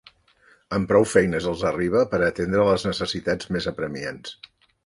Amb prou feines els arriba per atendre les necessitats més apremiants.